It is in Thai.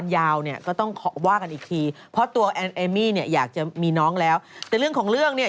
อยากจะมีน้องแล้วแต่เรื่องของเรื่องเนี่ย